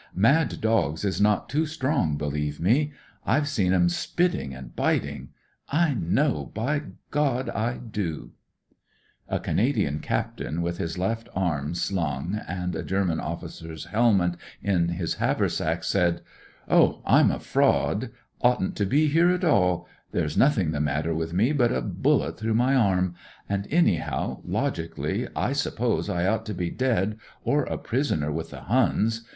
* Mad dogs ' is not too strong, believe me. I've seem 'em spitting and biting. I know — ^by God I do !" A Canadian captain with his left arm slung and a German officer's helmet in his haversack said :Oh, I'm a fraud — oughtn't to be here A COOL CANADIAN 171 at all. There's nothing the matter with me but a bullet through my arm. And, anyhow, logically, I suppose I ought to be dead or a prisoner with the Huns.